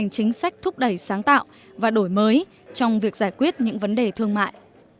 và thúc đẩy ban hành chính sách thúc đẩy sáng tạo và đổi mới trong việc giải quyết những vấn đề thương mại